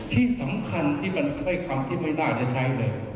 ที่สำคัญที่มันถ้อยคำที่ไม่ได้ใช้เลย